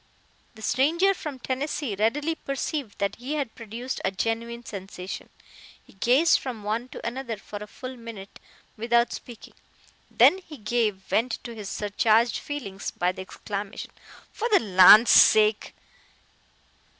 The stranger from Tennessee readily perceived that he had produced a genuine sensation. He gazed from one to another for a full minute without speaking. Then he gave vent to his surcharged feelings by the exclamation: "For the land's sake!"